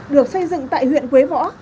được xây dựng tại huyện quế võ